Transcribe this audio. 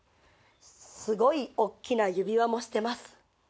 すごい大っきな指輪もしてます。